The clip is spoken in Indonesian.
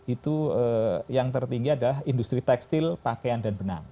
itu yang tertinggi adalah industri tekstil pakaian dan benang